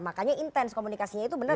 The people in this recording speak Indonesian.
makanya intens komunikasinya itu benar